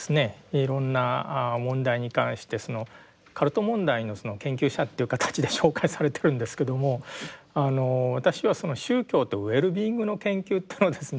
いろんな問題に関してカルト問題の研究者という形で紹介されてるんですけども私は宗教とウェルビーイングの研究というのをですね